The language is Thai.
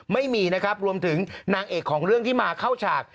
ไม่มีนะครับรวมถึงนางเอกของเรื่องที่มาเข้าฉาก